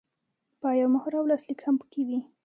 پای او مهر او لاسلیک هم پکې وي.